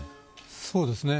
そうですね。